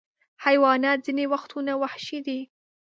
حیوانات ځینې وختونه وحشي دي.